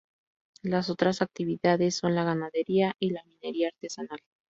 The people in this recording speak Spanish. Las otras actividades son la ganadería y la minería artesanal.